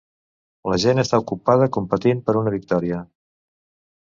La gent està ocupada competint per una victòria.